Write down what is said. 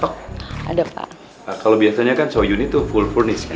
kalau biasanya kan show unit tuh full furnished kan